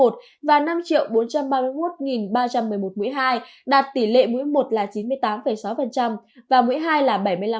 tỷ lệ mũi một là năm trăm linh tám một trăm một mươi một mũi một và năm bốn trăm ba mươi một ba trăm một mươi một mũi hai đạt tỷ lệ mũi một là chín mươi tám sáu và mũi hai là bảy mươi năm ba mươi bốn